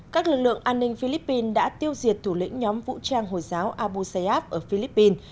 các lực lượng an ninh philippines đã tiêu diệt thủ lĩnh nhóm vũ trang hồi giáo abuseab ở philippines